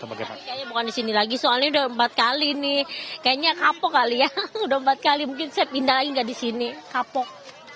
bukan di sini lagi soalnya sudah empat kali kayaknya kapok kali ya sudah empat kali mungkin saya pindahin tidak di sini kapok